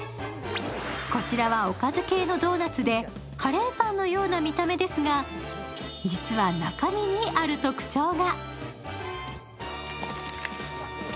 こちらは、おかず系のドーナツでカレーパンのような見た目ですが実は中身にある特徴が。